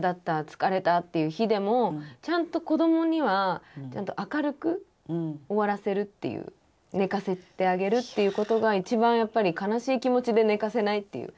疲れたっていう日でもちゃんと子どもには明るく終わらせるっていう寝かせてあげるっていうことが一番やっぱり悲しい気持ちで寝かせないっていう。